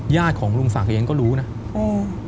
ของลุงศักดิ์เองก็รู้นะอืม